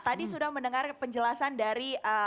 tadi sudah mendengar penjelasan dari